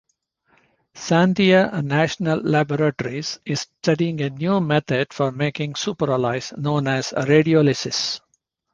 Sandia National Laboratories is studying a new method for making superalloys, known as radiolysis.